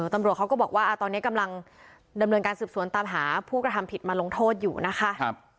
ตำรวจเขาก็บอกว่าตอนนี้กำลังดำเนินการสืบสวนตามหาผู้กระทำผิดมาลงโทษอยู่นะคะ